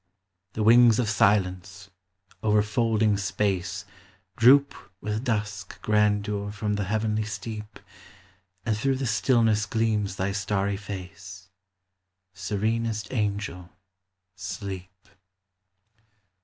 The wings of Silence, overfolding space, Droop with dusk grandeur from the heavenly steep, And through the stillness gleams thy starry face,— Serenest Angel, Sleep